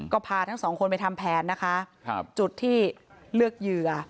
ก็พาทั้งสองคนไปทำแผนนะคะจุดที่เลือกเหยื่อ